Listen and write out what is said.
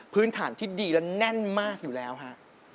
พื้นฐานที่ดีและแน่นมากอยู่แล้วฮะ